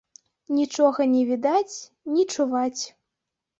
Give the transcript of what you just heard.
Нічога не відаць, не чуваць.